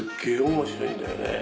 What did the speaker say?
面白いんだよね。